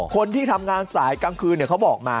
คนที่ทำงานสายกลางคืนเขาบอกมา